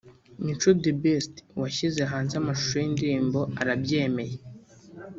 Mico The Best washyize hanze amashusho y’indirimbo “Arabyemeye”